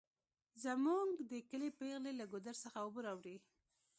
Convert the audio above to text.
زمونږ د کلي پیغلې له ګودر څخه اوبه راوړي